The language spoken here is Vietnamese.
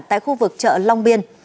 tại khu vực chợ long biên